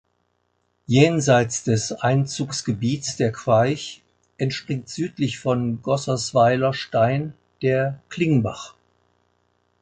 Jenseits des Einzugsgebiets der Queich entspringt südlich von Gossersweiler-Stein der Klingbach.